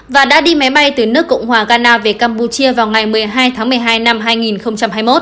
và đã đi máy bay từ nước cộng hòa ghana về campuchia vào ngày một mươi hai tháng một mươi hai năm hai nghìn hai mươi một